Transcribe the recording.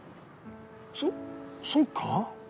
そそうか？